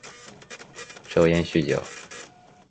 抽烟酗酒